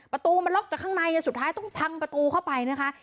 ประตูมันล็อกจากข้างในสุดท้ายต้องพังประตูเข้าไปนะคะ